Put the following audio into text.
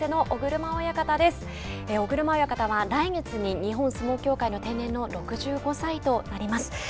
尾車親方は、来月に日本相撲協会の定年の６５歳となります。